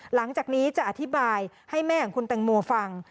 หลังจากนี้จะอธิบายให้แม่ของคุณแตงโมฟัง